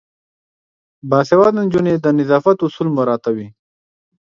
باسواده نجونې د نظافت اصول مراعاتوي.